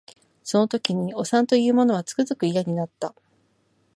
その時におさんと言う者はつくづく嫌になった